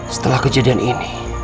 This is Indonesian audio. setelah kejadian ini